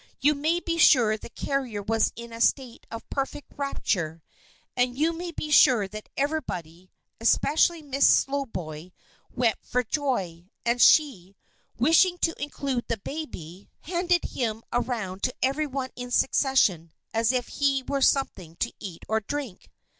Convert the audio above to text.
You may be sure the carrier was in a state of perfect rapture; and you may be sure that everybody, especially Miss Slowboy, wept for joy, and she, wishing to include the baby, handed him around to everyone in succession as if he were something to eat or drink.